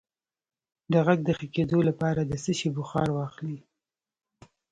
د غږ د ښه کیدو لپاره د څه شي بخار واخلئ؟